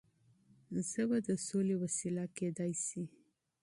ژبه د سولې وسيله کيدای شي.